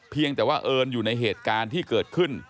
เพียงแต่ว่าเอิญอยู่ในเหตุการณ์ที่เกิดขึ้น